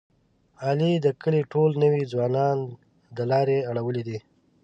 علي د کلي ټول نوی ځوانان د لارې اړولي دي.